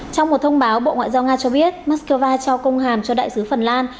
trong một thông báo bộ ngoại giao nga cho biết moscow trao công hàm cho đại sứ phần lan